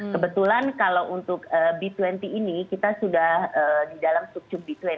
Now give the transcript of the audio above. kebetulan kalau untuk b dua puluh ini kita sudah di dalam struktur b dua puluh